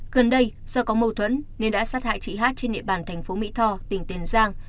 gần đây do có mâu thuẫn nên đã sát hại chị hát trên địa bàn thành phố mỹ tho tỉnh tiền giang